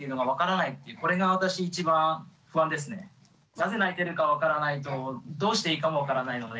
なぜ泣いてるか分からないとどうしていいかも分からないので。